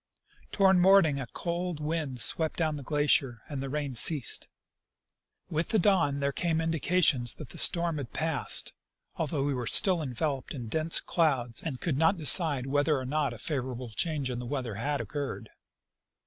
ToAvard morning a cold wind swept down the glacier and the rain ceased. With the dawn there came indications that the storm had passed, although we were still enveloped in dense clouds and could not decide whether or not a favorable change in the weather had occurred.